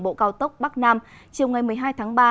bộ cao tốc bắc nam chiều ngày một mươi hai tháng ba